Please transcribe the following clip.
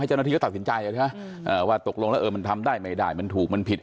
เจ้าหน้าที่ก็ตัดสินใจใช่ไหมว่าตกลงแล้วเออมันทำได้ไม่ได้มันถูกมันผิด